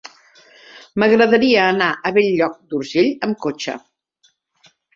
M'agradaria anar a Bell-lloc d'Urgell amb cotxe.